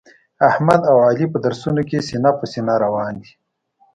احمد او علي په درسونو کې سینه په سینه روان دي.